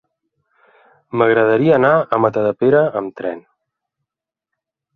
M'agradaria anar a Matadepera amb tren.